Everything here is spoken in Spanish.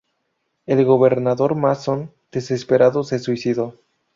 El gobernador Masson, desesperado, se suicidó.